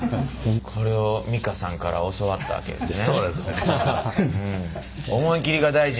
これを美香さんから教わったわけですね。